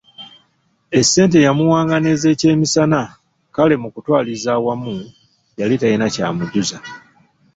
Essente yamuwanga n’ezekyemisana kale mukutwaliza awamu yali talina kyamujuza.